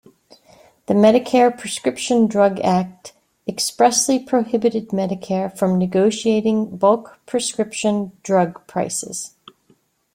The Medicare Prescription Drug act expressly prohibited Medicare from negotiating bulk prescription drug prices.